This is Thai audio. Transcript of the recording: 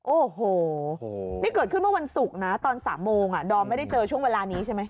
โอ้โหนี่เกิดขึ้นเมื่อวันศุกร์นะตอน๓โมงดอมไม่ได้เจอช่วงเวลานี้ใช่ไหม